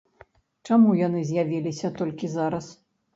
Чаму яны з'явіліся толькі зараз?